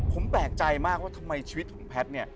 ผมแปลกใจมากว่าทำไมชีวิตของแพทย์เนี่ย